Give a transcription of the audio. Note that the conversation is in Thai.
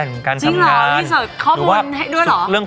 เหมือนเขาเอ็นดูเอ็นดูเด็ก